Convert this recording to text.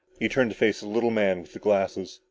He turned to face the little man with the glasses.